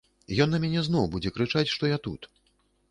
Ён на мяне зноў будзе крычаць, што я тут.